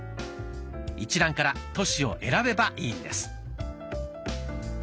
一覧から都市を選べばいいんです。